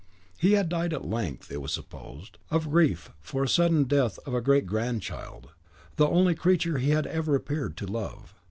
He had died at length, it was supposed, of grief for the sudden death of a great grandchild, the only creature he had ever appeared to love.